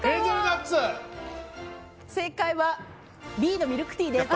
正解は、Ｂのミルクティーです。